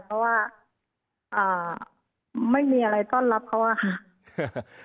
เพราะว่าไม่มีอะไรต้อนรับเขาอะค่ะ